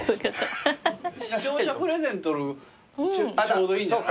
視聴者プレゼントちょうどいいんじゃない？